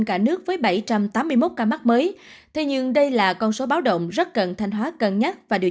cả nước với bảy trăm tám mươi một ca mắc mới thế nhưng đây là con số báo động rất cần thanh hóa cân nhắc và điều